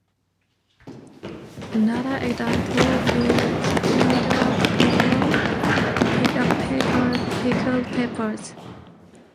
Another example is "Peter Piper picked a peck of pickled peppers".